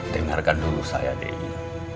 dengarkan dulu saya dei